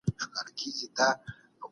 فابریکې څنګه د کارکوونکو معاشونه ټاکي؟